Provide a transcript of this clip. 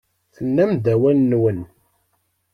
Tennam-d awal-nwen.